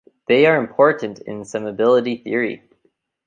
They are important in summability theory.